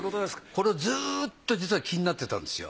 これずっと実は気になってたんですよ。